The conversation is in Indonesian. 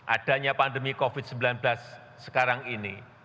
adanya pandemi covid sembilan belas sekarang ini